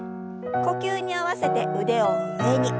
呼吸に合わせて腕を上に。